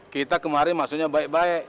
kita kemarin maksudnya baik baik